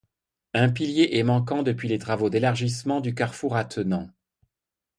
Un pilier est manquant depuis les travaux d'élargissement du carrefour attenant.